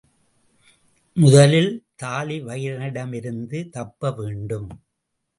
முதலில் தாழிவயிறனிடமிருந்து தப்பவேண்டும்.